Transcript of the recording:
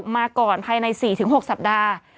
มาก่อนภายใน๔๖สัปดาห์